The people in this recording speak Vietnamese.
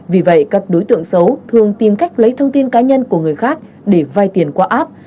vì vậy các đối tượng xấu thường tìm cách lấy thông tin cá nhân của người khác để vai tiền qua app